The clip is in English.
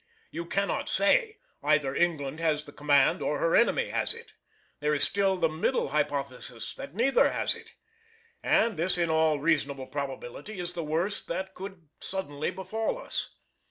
You cannot say, either England has the command or her enemy has it. There is still the middle hypothesis, that neither has it. And this in all reasonable probability is the worst that could suddenly befall us.